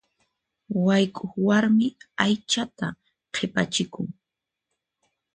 Wayk'uq warmi aychata qhipachikun.